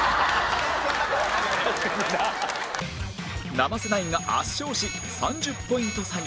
生瀬ナインが圧勝し３０ポイント差に